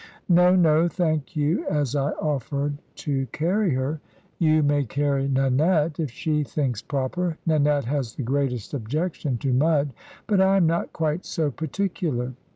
No, no, thank you," as I offered to carry her; "you may carry Nanette, if she thinks proper. Nanette has the greatest objection to mud; but I am not quite so particular."